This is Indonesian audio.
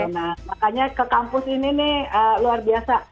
nah makanya ke kampus ini nih luar biasa